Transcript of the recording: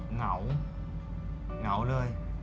เหงาเหงาเลย